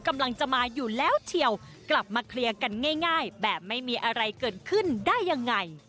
กำลังจะมาอยู่แล้วเชียวกลับมาเคลียร์กันง่ายแบบไม่มีอะไรเกิดขึ้นได้ยังไง